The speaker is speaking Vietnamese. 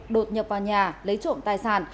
đột nhập vào nhà lấy trộm tài sản